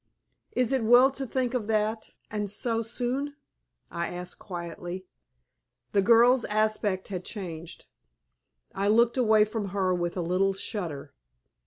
"Is it well to think of that, and so soon?" I asked, quietly. The girl's aspect had changed. I looked away from her with a little shudder.